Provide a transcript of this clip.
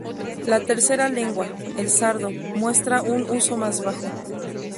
La tercera lengua, el sardo, muestra un uso más bajo.